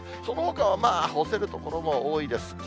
そのほかは干せる所も多いです。